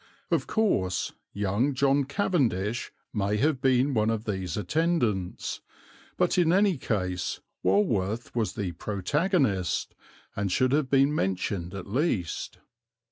Of course young John Cavendish may have been one of these attendants; but in any case Walworth was the protagonist, and should have been mentioned at least.